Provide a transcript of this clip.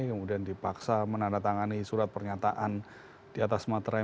kemudian dipaksa menandatangani surat pernyataan di atas materai